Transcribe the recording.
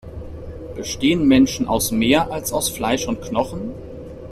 Bestehen Menschen aus mehr, als aus Fleisch und Knochen?